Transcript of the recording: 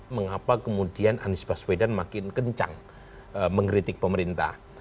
mengapa kemudian anies baswedan makin kencang mengkritik pemerintah